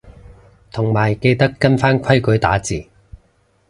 同埋記得跟返規矩打字